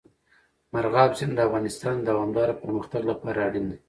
مورغاب سیند د افغانستان د دوامداره پرمختګ لپاره اړین دی.